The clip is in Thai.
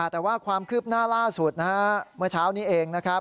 แต่ว่าความคืบหน้าล่าสุดเมื่อเช้านี้เอง